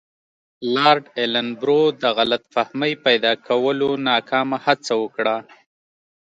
لارډ ایلن برو د غلط فهمۍ پیدا کولو ناکامه هڅه وکړه.